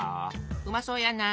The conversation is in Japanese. うまそうやな。